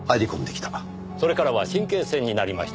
それからは神経戦になりました。